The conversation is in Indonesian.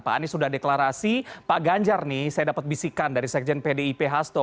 pak anies sudah deklarasi pak ganjar nih saya dapat bisikan dari sekjen pdip hasto